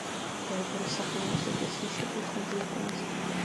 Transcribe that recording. ბარბარეს სახელობის ეკლესიაში აკურთხა დიაკვნად.